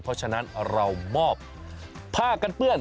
เพราะฉะนั้นเรามอบผ้ากันเปื้อน